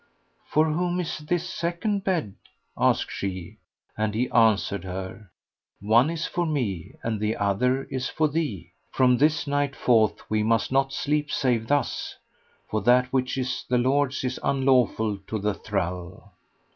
"For whom is this second bed?" asked she, and he answered her, "One is for me and the other is for thee: from this night forth we must not sleep save thus, for that which is the lord's is unlawful to the thrall."